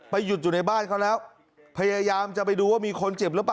หยุดอยู่ในบ้านเขาแล้วพยายามจะไปดูว่ามีคนเจ็บหรือเปล่า